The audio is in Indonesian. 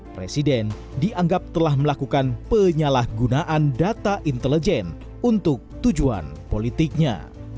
presiden dianggap telah melakukan penyalahgunaan data intelijen untuk tujuan politiknya